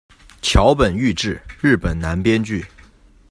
桥本裕志，日本男编剧。